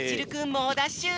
もうダッシュ！